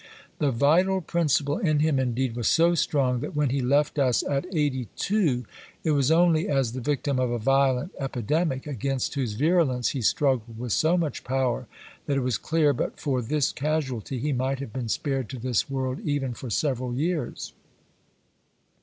The vital principle in him, indeed, was so strong that when he left us at eighty two, it was only as the victim of a violent epidemic, against whose virulence he struggled with so much power, that it was clear, but for this casualty, he might have been spared to this world even for several years.